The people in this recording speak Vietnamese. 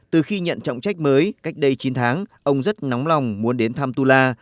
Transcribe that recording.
từ khi nhận trọng trách mới cách đây chín tháng ông rất nóng lòng muốn đến thăm tula